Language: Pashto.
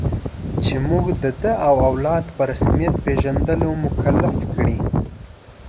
چې موږ د ده او اولاد په رسمیت پېژندلو مکلف کړي.